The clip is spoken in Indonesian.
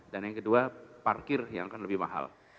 dan yang kedua parkir yang akan lebih mahal